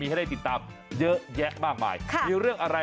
ใครก็หน่อยผมย้ำตรงนี้